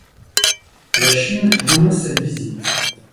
La Chine dénonce cette visite.